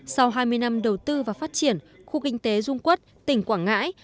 sau hai mươi năm đầu tư và phát triển khu kinh tế dung quốc tỉnh quảng ngãi